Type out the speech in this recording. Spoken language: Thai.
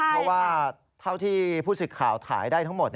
เพราะว่าเท่าที่ผู้สิทธิ์ข่าวถ่ายได้ทั้งหมด